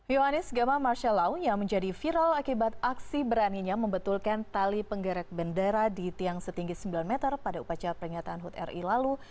yohanis gama marshalau yang menjadi viral akibat aksi beraninya membetulkan tali penggerak bendera di tiang setinggi sembilan meter pada upacara peringatan hud ri lalu